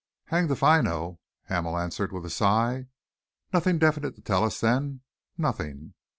"Hanged if I know!" Hamel answered, with a sigh. "Nothing definite to tell us, then?" "Nothing!"